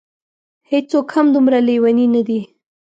هېڅوک هم دومره لېوني نه دي.